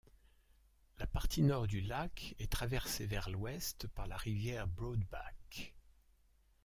La partie Nord du lac est traversé vers l’Ouest par la rivière Broadback.